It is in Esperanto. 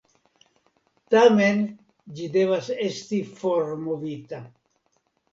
Tamen ĝi devas esti formovita.